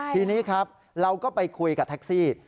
ทีนี้ครับเราก็ไปคุยกับแท็กซี่